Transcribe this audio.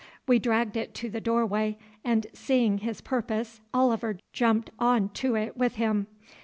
We dragged it to the doorway, and, seeing his purpose, Oliver jumped on to it with him.